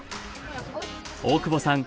大久保さん